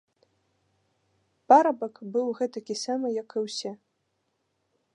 Парабак быў гэтакі самы, як і ўсе.